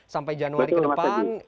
sampai januari ke depan